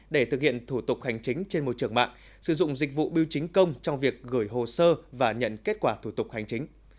để thực hiện thủ tục hành chính trên môi trường mạng sử dụng dịch vụ biêu chính công trong việc gửi hồ sơ và nhận kết quả thủ tục hành chính